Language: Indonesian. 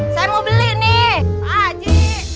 saya mau beli nih aji